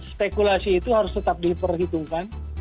spekulasi itu harus tetap diperhitungkan